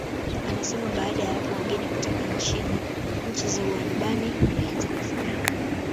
Anasema baada ya hapo wageni kutoka nchi za Uarabuni walianza kufurika